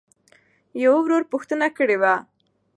يــوه ورورپوښـتـنــه کــړېــوه.؟